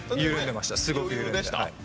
すごく緩んでました。